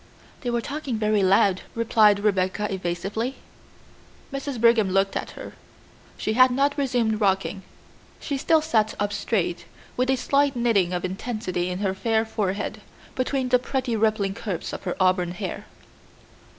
"They were talking very loud," replied Rebecca evasively. Mrs. Brigham looked at her. She had not resumed rocking. She still sat up straight, with a slight knitting of intensity on her fair forehead, between the pretty rippling curves of her auburn hair.